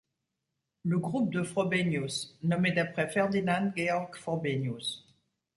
Le groupe de Frobenius, nommé d'après Ferdinand Georg Frobenius.